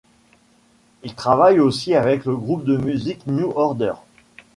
Il travaille aussi avec le groupe de musique New Order.